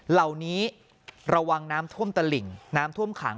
เหล่านี้ระวังน้ำท่วมตะหลิ่งน้ำท่วมขัง